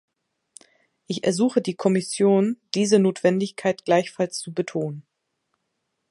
Ich ersuche die Kommission, diese Notwendigkeit gleichfalls zu betonen.